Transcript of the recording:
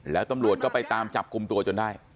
แล้วตำรวจก็ไปตามจับกลุ่มตัวจนได้